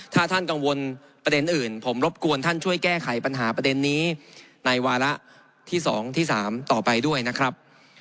ถ้าท่านกังวลประเด็นอื่นผมรบกวนท่านช่วยแก้ไขปัญหาประเด็นนี้ในวาระที่๒ที่๓ต่อไปด้วยนะครับ